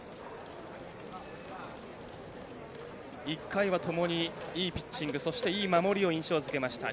１回はともにいいピッチングそして、いい守りを印象づけました。